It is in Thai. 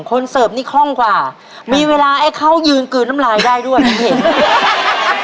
เสิร์ฟนี่คล่องกว่ามีเวลาให้เขายืนกลืนน้ำลายได้ด้วยนะพี่